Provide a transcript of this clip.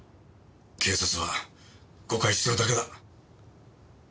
警察は誤解してるだけだ。